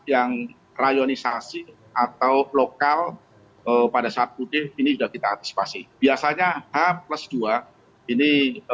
yang rayonisasi atau lokal pada saat mudik ini sudah kita antisipasi biasanya h plus dua ini